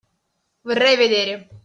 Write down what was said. Vorrei vedere!